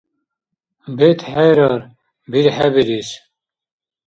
БетхӀерар, бирхӀебирис.